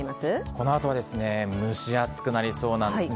このあとは、蒸し暑くなりそうなんですね。